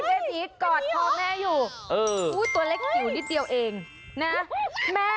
แม่ศรีกอดคอแม่อยู่ตัวเล็กจิ๋วนิดเดียวเองนะแม่